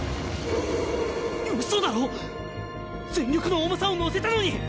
ウソだろ⁉全力の重さを乗せたのに！